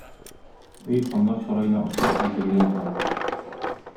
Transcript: Өй ханнар сараена охшаш бизәлгән икән.